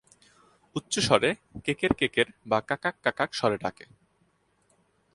উচ্চ স্বরে 'কেকের-কেকের' বা 'কাকাক-কাকাক' স্বরে ডাকে।